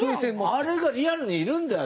あれがリアルにいるんだよ！